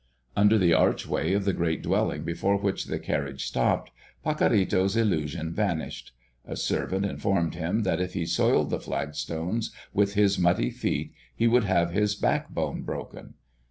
Under the archway of the great dwelling before which the carriage stopped, Pacorrito's illusion vanished. A servant informed him that if he soiled the flagstones with his muddy feet, he would have his back bone broken.